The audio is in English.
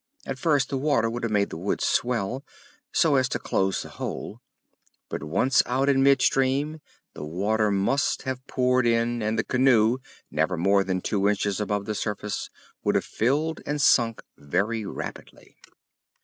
At first the water would have made the wood swell so as to close the hole, but once out in mid stream the water must have poured in, and the canoe, never more than two inches above the surface, would have filled and sunk very rapidly.